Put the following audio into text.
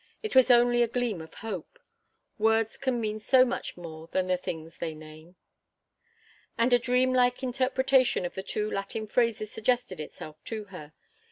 It was only a gleam of hope. Words can mean so much more than the things they name. And a dream like interpretation of the two Latin phrases suggested itself to her.